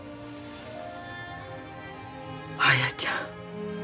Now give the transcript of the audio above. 綾ちゃん。